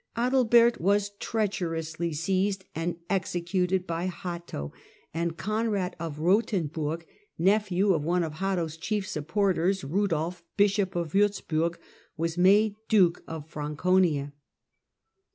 Adalbert was treacherously seized and executed by Hatto, and Conrad of Eothenburg, nephew of one of Hatto's chief supporters, Rudolf, Bishop of Wurzburg, was made Duke of Franconia.